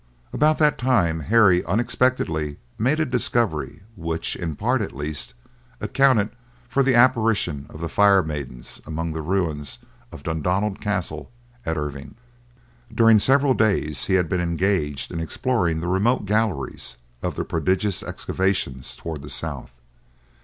About that time Harry unexpectedly made a discovery which, in part at least, accounted for the apparition of the fire maidens among the ruins of Dundonald Castle at Irvine. During several days he had been engaged in exploring the remote galleries of the prodigious excavation towards the south.